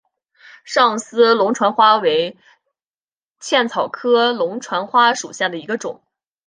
上思龙船花为茜草科龙船花属下的一个种。